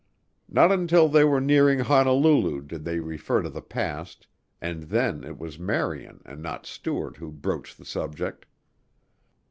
Not until they were nearing Honolulu did they refer to the past and then it was Marian and not Stuart who broached the subject.